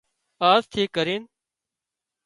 آز ٿي ڪرين